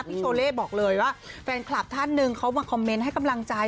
โชเล่บอกเลยว่าแฟนคลับท่านหนึ่งเขามาคอมเมนต์ให้กำลังใจ